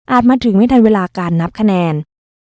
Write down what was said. มาถึงไม่ทันเวลาการนับคะแนน